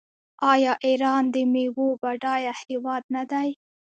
آیا ایران د میوو بډایه هیواد نه دی؟